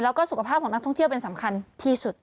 แล้วก็สุขภาพของนักท่องเที่ยวเป็นสำคัญที่สุด